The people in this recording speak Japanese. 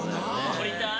乗りたい！